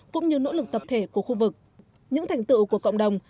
cũng như nỗ lực tập thể của khu vực những thành tựu của cộng đồng